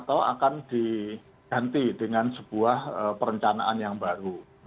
atau akan diganti dengan sebuah perencanaan yang baru